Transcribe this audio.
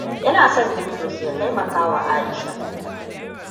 Ina son Bitrus ya taimakawa Aisha.